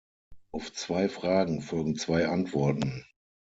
Auf zwei Fragen folgen zwei Antworten.